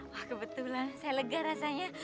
wah kebetulan saya lega rasanya